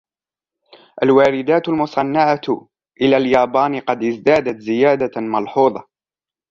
الواردات المصنعة إلى اليابان قد ازدادت زيادةً ملحوظة.